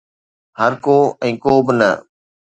هرڪو ۽ ڪو به نه